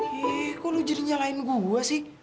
hei kok lo jadi nyalain gue sih